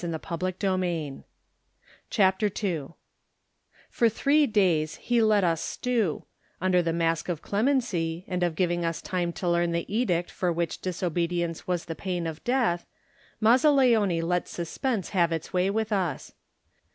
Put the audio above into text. Digitized by Google CHAPTER II FOR three days he let us stew; under the mask of clemency, and of giving us time to leam the edict for which dis obedience was the pain of death, Maz zaleone let suspense have its way with us.